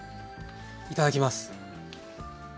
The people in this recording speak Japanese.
いただきます。